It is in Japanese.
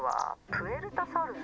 プエルタサウルス？